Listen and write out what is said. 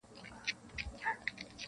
کیسې د خان او د زامنو د آسونو کوي-